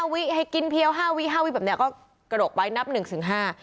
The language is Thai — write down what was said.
๕วิให้กินเพียว๕วิ๕วิแบบนี้ก็กระโดกไว้นับ๑ถึง๕